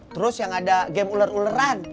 terus yang ada game uler uleran